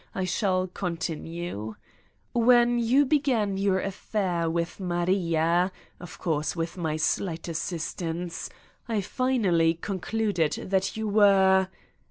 I shall continue. When you be gan your affair with Maria ... of course with my slight assistance ... I finally concluded that you were